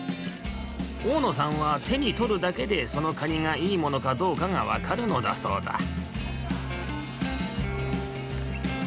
大野さんはてにとるだけでそのカニがいいものかどうかがわかるのだそうだ